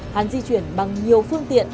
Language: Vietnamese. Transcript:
hắn di chuyển bằng nhiều phương tiện